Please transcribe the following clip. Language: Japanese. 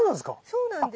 そうなんです。